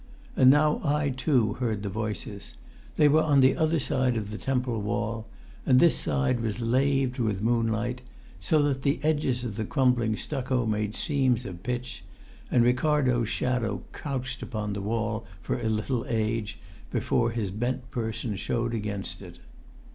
And now I too heard the voices; they were on the other side of the temple wall; and this side was laved with moonlight, so that the edges of the crumbling stucco made seams of pitch, and Ricardo's shadow crouched upon the wall for a little age before his bent person showed against it.